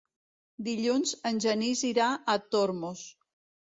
Dilluns en Genís irà a Tormos.